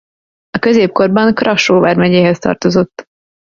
A középkorban Krassó vármegyéhez tartozott.